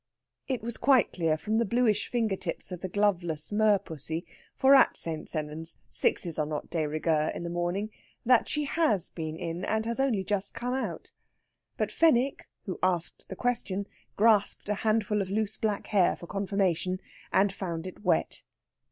It was quite clear, from the bluish finger tips of the gloveless merpussy for at St. Sennans sixes are not de rigueur in the morning that she has been in, and has only just come out. But Fenwick, who asked the question, grasped a handful of loose black hair for confirmation, and found it wet.